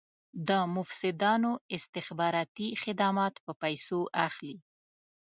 د مفسدانو استخباراتي خدمات په پیسو اخلي.